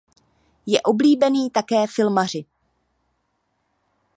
Je oblíbený také filmaři.